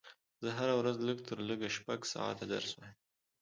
زه هره ورځ لږ تر لږه شپږ ساعته درس وایم